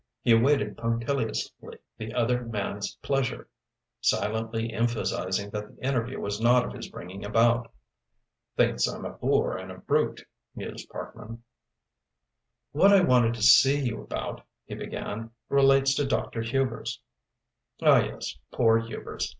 He awaited punctiliously the other man's pleasure, silently emphasising that the interview was not of his bringing about. "Thinks I'm a boor and a brute," mused Parkman. "What I wanted to see you about," he began, "relates to Dr. Hubers." "Ah, yes poor Hubers.